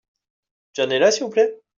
John est là s'il vous plait ?